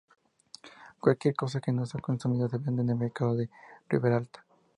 Cualquier cosa que no sea consumida, se vende en el mercado de Riberalta.